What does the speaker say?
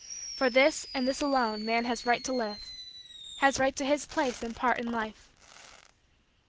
For this, and this alone, man has right to live has right to his place and part in Life.